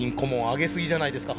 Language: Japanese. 上げすぎじゃないですか？